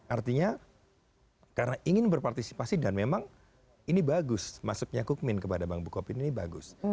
artinya karena ingin berpartisipasi dan memang ini bagus masuknya kukmin kepada bank bukopin ini bagus